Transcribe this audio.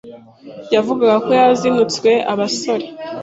yavugaga ko yazinutswe abasore